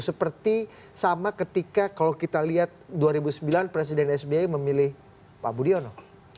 seperti sama ketika kalau kita lihat dua ribu sembilan presiden sby memilih pak budiono